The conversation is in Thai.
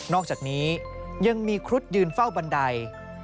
อกจากนี้ยังมีครุฑยืนเฝ้าบันได